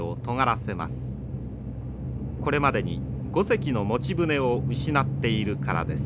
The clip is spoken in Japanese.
これまでに５隻の持ち船を失っているからです。